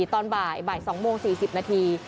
ตอนบ่าย๒โมง๔๐นาที